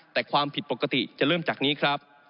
แต่ความผิดปกติจะเริ่มจากนี้ครับ